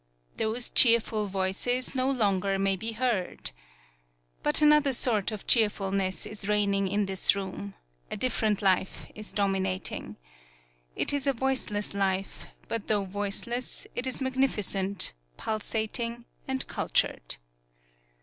Those cheerful voices no longer may be heard. But another sort of cheerfulness is reigning in this room, a different life is dominating. It is a voiceless life, but though voiceless, it is magnificent, pul sating and cultured.